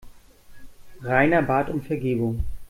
Rainer bat um Vergebung.